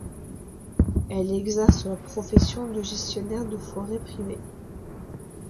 Elle exerce la profession de gestionnaire de forêts privées.